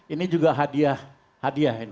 ini juga hadiah